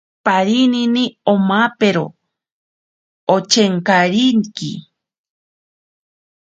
Parinini omapero ochenkariki.